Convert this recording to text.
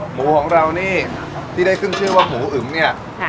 หมูของเรานี่ที่ได้ขึ้นชื่อว่าหมูอึ๋มเนี่ย